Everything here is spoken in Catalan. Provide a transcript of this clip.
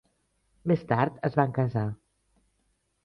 Més tard es van casar.